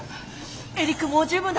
エリックもう十分だ。